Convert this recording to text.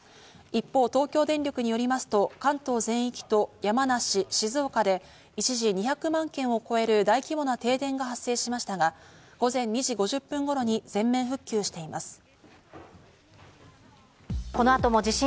一方、東京電力によりますと関東全域と山梨、静岡で一時、２００万軒を超える大規模な停電が発生しましたが、午前２時５０分頃に全面復旧しています。